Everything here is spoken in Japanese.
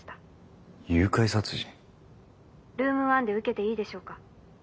ルーム１で受けていいでしょうか？